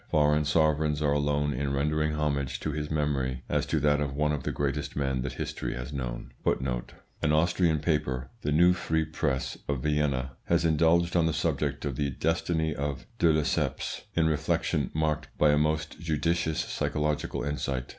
Foreign sovereigns are alone in rendering homage to his memory as to that of one of the greatest men that history has known. An Austrian paper, the Neue Freie Presse, of Vienna, has indulged on the subject of the destiny of de Lesseps in reflections marked by a most judicious psychological insight.